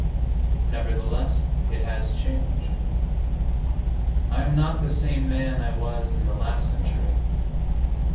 Nevertheless, it has changed. I am not the same man I was in the last century.